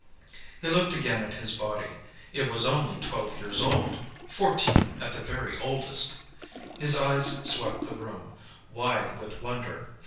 He looked again at his body. It was only twelve years old. Fourteen, at the very oldest. His eyes swept the room, wide with wonder.